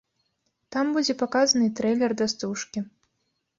Там будзе паказаны і трэйлер да стужкі.